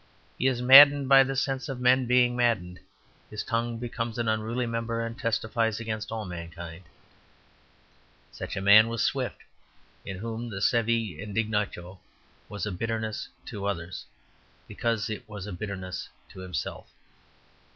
He is maddened by the sense of men being maddened; his tongue becomes an unruly member, and testifies against all mankind. Such a man was Swift, in whom the saeva indignatio was a bitterness to others, because it was a bitterness to himself.